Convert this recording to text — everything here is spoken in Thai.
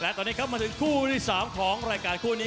และตอนนี้ครับมาถึงคู่ที่๓ของรายการคู่นี้